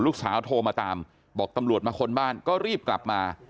โทรมาตามบอกตำรวจมาค้นบ้านก็รีบกลับมา